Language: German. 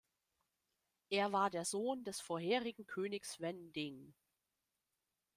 Er war der Sohn des vorherigen Königs Wen Ding.